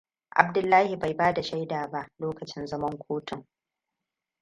Abdullahi bai bada shaida ba, lokacin zaman kotun.